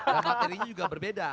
dan materinya juga berbeda